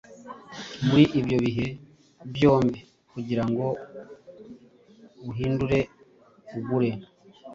Muri ibyo bihe byombi kugirango uhindure ugure